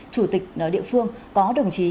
chủ tịch địa phương có đồng chí